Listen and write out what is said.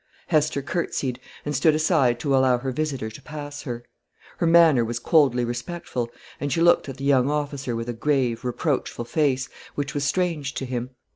Hester curtseyed, and stood aside to allow her visitor to pass her. Her manner was coldly respectful, and she looked at the young officer with a grave, reproachful face, which was strange to him.